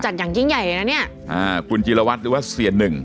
อย่างยิ่งใหญ่เลยนะเนี่ยอ่าคุณจิลวัตรหรือว่าเสียหนึ่ง